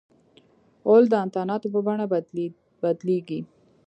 غول د انتاناتو په بڼه بدلیږي.